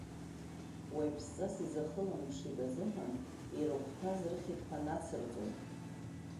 Уаҩԥсҵас изахыламԥшит азыҳәан, ирыхәҭаз рыхьит, ҳәа нацырҵон.